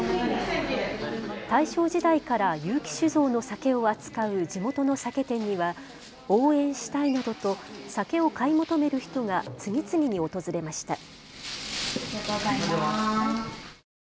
大正時代から結城酒蔵の酒を扱う地元の酒店には応援したいなどと酒を買い求める人が次々に訪れました。